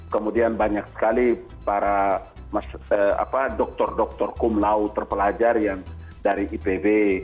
kemudian banyak sekali para dokter doktor kumlau terpelajar yang dari ipb